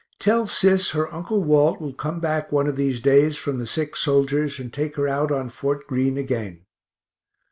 Tell Sis her uncle Walt will come back one of these days from the sick soldiers and take her out on Fort Greene again.